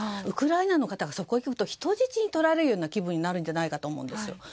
ウクライナの方がそこに行くと人質に取られるような気分になるんじゃないかと思うんです。